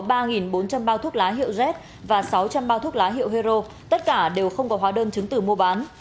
bao thuốc lá hiệu z và sáu trăm linh bao thuốc lá hiệu hero tất cả đều không có hóa đơn chứng từ mua bán